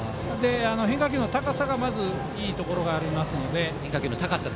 変化球の高さがまずいいところがありますので。